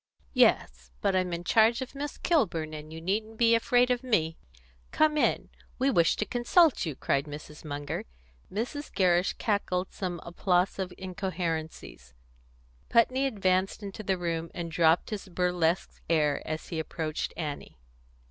"Yes; but I'm in charge of Miss Kilburn, and you needn't be afraid of me. Come in. We wish to consult you," cried Mrs. Munger. Mrs. Gerrish cackled some applausive incoherencies. Putney advanced into the room, and dropped his burlesque air as he approached Annie.